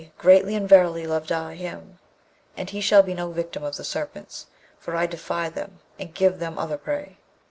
greatly and verily love I him; and he shall be no victim of the Serpents, for I defy them and give them other prey.'